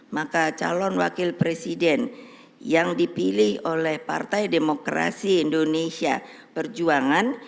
maka calon wakil presiden yang dipilih oleh partai demokrasi indonesia perjuangan